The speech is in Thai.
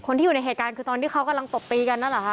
ที่อยู่ในเหตุการณ์คือตอนที่เขากำลังตบตีกันนั่นเหรอคะ